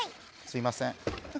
すいません。